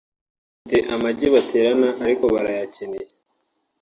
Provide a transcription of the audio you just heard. bafite amagi baterana aliko barayakeneye